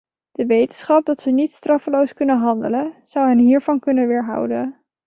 De wetenschap dat ze niet straffeloos kunnen handelen, zou hen hiervan kunnen weerhouden.